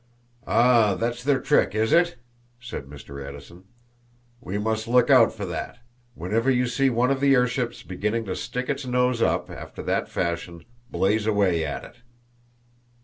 "Ah, that's their trick, is it?" said Mr. Edison. "We must look out for that. Whenever you see one of the airships beginning to stick its nose up after that fashion blaze away at it."